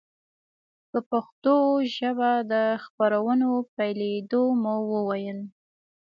په پښتو ژبه د خپرونو پیلېدو مو وویل.